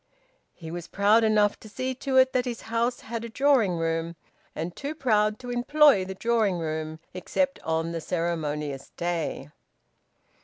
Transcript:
He was proud enough to see to it that his house had a drawing room, and too proud to employ the drawing room except on the ceremonious day.